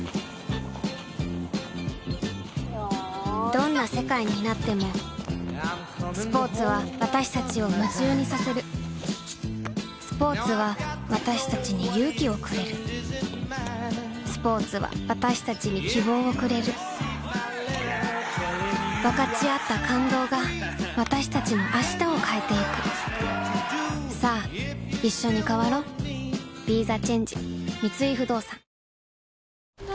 どんな世界になってもスポーツは私たちを夢中にさせるスポーツは私たちに勇気をくれるスポーツは私たちに希望をくれる分かち合った感動が私たちの明日を変えてゆくさあいっしょに変わろう完成。